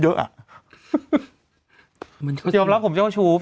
เดี๋ยวแล้วผมเจ้าชู